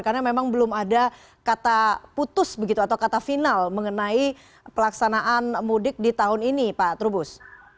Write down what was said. karena memang belum ada kata putus begitu atau kata final mengenai pelaksanaan mudik di tahun ini pak trubus